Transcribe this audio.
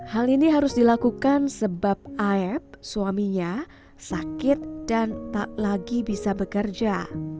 hal ini harus dilakukan sebab ayeb suaminya sakit dan tak lagi bisa bekerja